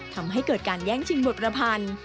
ทำให้เกิดการแย้งชิงบทประพันธ์